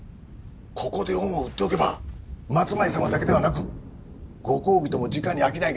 ここで恩を売っておけば松前様だけではなくご公儀ともじかに商いができるようになるやもしれぬ。